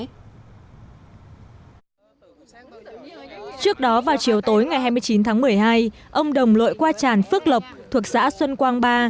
trước đó vào chiều tối ngày hai mươi chín tháng một mươi hai ông đồng lội qua chản phước lộc thuộc xã xuân quang ba